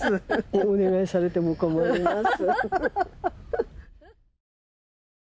お願いされても困ります。